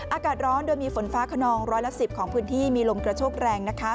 อากาศร้อนโดยมีฝนฟ้าขนองร้อยละ๑๐ของพื้นที่มีลมกระโชกแรงนะคะ